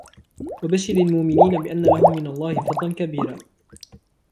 وبشر المؤمنين بأن لهم من الله فضلا كبيرا